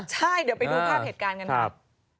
ใช่เดี๋ยวไปดูภาพเหตุการณ์กันครับ